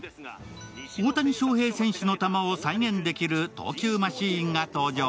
大谷翔平選手の球を再現できる投球マシンが登場。